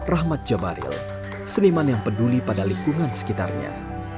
rahmat jabaril seniman yang peduli pada lingkungan sekitarnya